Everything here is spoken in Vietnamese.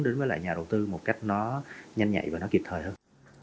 đến với lại nhà đầu tư một cách nó nhanh nhạy và nó kịp thời hơn